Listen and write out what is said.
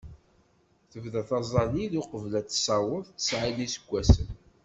Tebda taẓẓalit uqbel ad tessaweḍ tesɛa n yiseggasen.